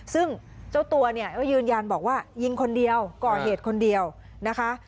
ซึ่งเจ้าตัวยืนยันว่ายิงคนเดียวก่อเหตุคนเดียวนะคะ